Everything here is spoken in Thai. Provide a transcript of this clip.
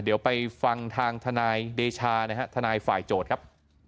เดี๋ยวไปฟังทางทนายเดชานะฮะทนายฝ่ายโจทย์ครับ